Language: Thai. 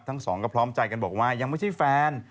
ทั้งสองก็พร้อมใจกันบอกว่ายังไม่ใช่แฟน